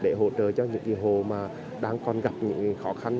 để hỗ trợ cho những hồ mà đang còn gặp những khó khăn